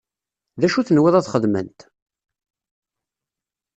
D acu tenwiḍ ad xedment?